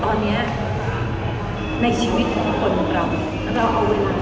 ถ้าเราเอาเวลาทั่วไปชีวิตของเราไปยุ่งเรื่องความสูง